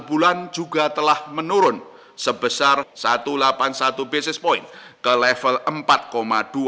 penurunan suku bunga kebijakan moneter dan longgarnya likuiditas mendorong rendahnya rata suku bunga pasar uang antarbank overnight